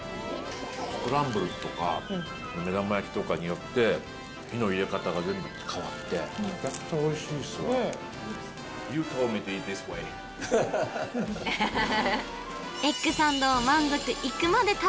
スクランブルとか目玉焼きとかによって火の入れ方が全部変わってめちゃくちゃおいしいですわエッグサンドを満足いくまで食べ